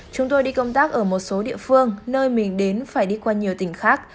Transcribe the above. chúng tôi đi công tác ở một số địa phương nơi mình đến phải đi qua nhiều tỉnh khác